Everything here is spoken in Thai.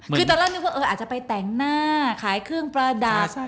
คือตอนล่ะจะไปแตงหน้าขายเครื่องประดับ